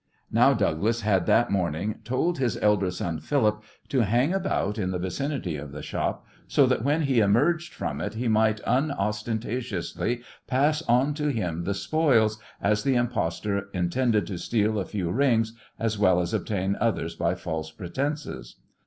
Now Douglas had that morning told his elder son, Philip, to hang about in the vicinity of the shop, so that when he emerged from it he might unostentatiously pass on to him the spoils, as the impostor intended to steal a few rings, as well as obtain others by false pretences.